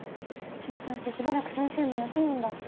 休載してしばらく先生も休むんだって。